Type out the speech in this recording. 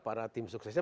para tim suksesnya